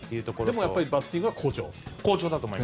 でもやっぱりバッティングは好調？